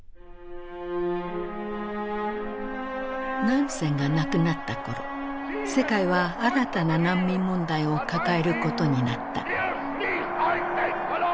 ナンセンが亡くなった頃世界は新たな難民問題を抱えることになった。